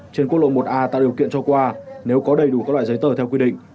trên quốc lộ một a tạo điều kiện cho qua nếu có đầy đủ các loại giấy tờ theo quy định